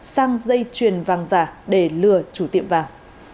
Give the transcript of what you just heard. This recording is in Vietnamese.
sang dây truyền vàng giả để lừa chủ tiệm vào